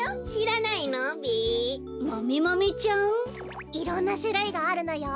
いろんなしゅるいがあるのよ。